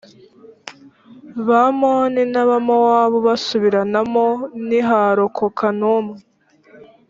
bamoni n’abamowabu basubiranamo ntiharokoka n’umwe